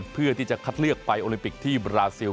เพื่อที่จะคัดเลือกไปโอลิมปิกที่บราซิล